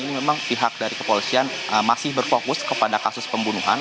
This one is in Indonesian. ini memang pihak dari kepolisian masih berfokus kepada kasus pembunuhan